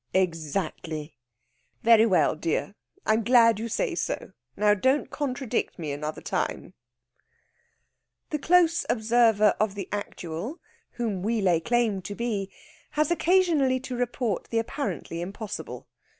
"Exactly." "Very well, dear. I'm glad you say so. Now, don't contradict me another time." The close observer of the actual (whom we lay claim to be) has occasionally to report the apparently impossible.